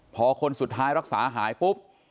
พอคนสุดท้ายรักษาหายปุ๊บ